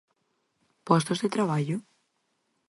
¿Postos de traballo?